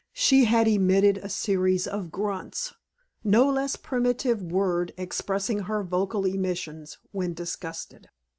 She had emitted a series of grunts no less primitive word expressing her vocal emissions when disgusted.